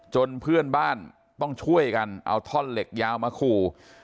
เพื่อนบ้านต้องช่วยกันเอาท่อนเหล็กยาวมาขู่